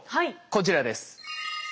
こちらです。